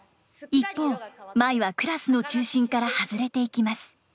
一方舞はクラスの中心から外れていきます。